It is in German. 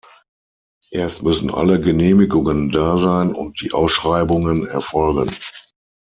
Erst müssten alle Genehmigungen da sein und die Ausschreibungen erfolgen.